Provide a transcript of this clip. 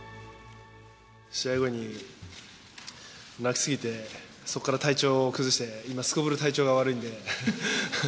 試合後に泣き過ぎて、そこから体調を崩して、今、すこぶる体調が悪いんで。